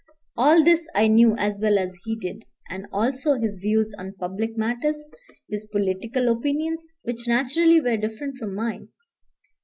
All this I knew as well as he did, and also his views on public matters, his political opinions, which naturally were different from mine.